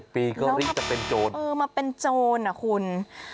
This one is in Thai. ปีก็รีบจะเป็นโจรเออมาเป็นโจรอะคุณ